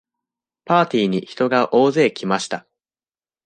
パーティーに人が大勢来ました。